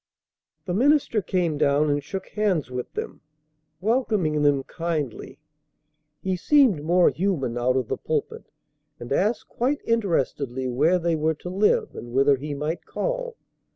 The minister came down and shook hands with them, welcoming them kindly. He seemed more human out of the pulpit, and asked quite interestedly where they were to live and whether he might call.